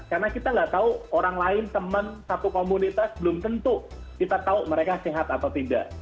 karena kita nggak tahu orang lain teman satu komunitas belum tentu kita tahu mereka sehat atau tidak